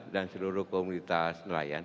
dan seluruh komunitas nelayan